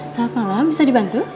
selamat malam bisa dibantu